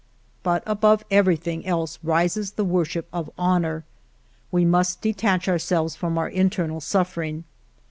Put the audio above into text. ..." But above everything else rises the worship of honor. We must detach ourselves from our internal suffering.